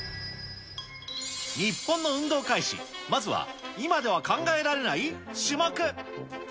日本の運動会史、まずは、今では考えられない種目。